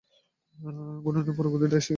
ঘূর্ণনের পুরো গতিটা এসে গেছে!